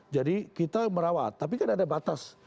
jadi kita merawat tapi kan ada batas